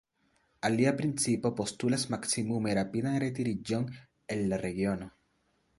Alia principo postulas maksimume rapidan retiriĝon el la regiono.